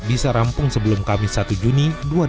bisa rampung sebelum kamis satu juni dua ribu dua puluh